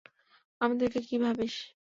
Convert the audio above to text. আমাদেরকে কী ভাবিস?